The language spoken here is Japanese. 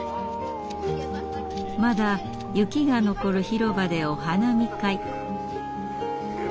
まだ雪が残る広場でお花見会。